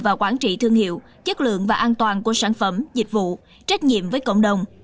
và quản trị thương hiệu chất lượng và an toàn của sản phẩm dịch vụ trách nhiệm với cộng đồng